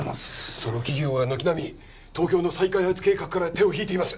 その企業は軒並み東京の再開発計画から手を引いています